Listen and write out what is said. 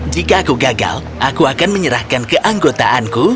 jika aku gagal aku akan menyerahkan keanggotaanku